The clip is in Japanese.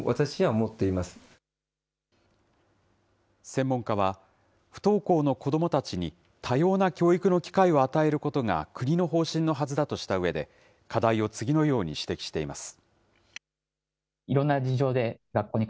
専門家は、不登校の子どもたちに多様な教育の機会を与えることが国の方針のはずだとしたうえで、課題を次のように指摘しています。